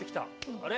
あれ？